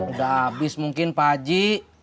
udah habis mungkin pak haji